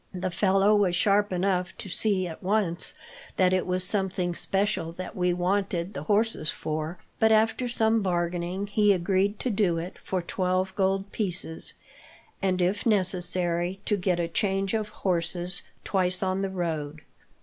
The fellow was sharp enough to see, at once, that it was something special that we wanted the horses for, but after some bargaining he agreed to do it for twelve gold pieces, and, if necessary, to get a change of horses twice on the road.